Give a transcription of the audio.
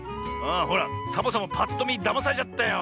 ほらサボさんもぱっとみだまされちゃったよ。